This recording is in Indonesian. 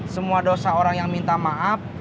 semua dosa orang yang minta maaf